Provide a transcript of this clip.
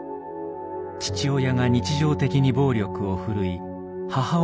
父親が日常的に暴力を振るい母親が助長。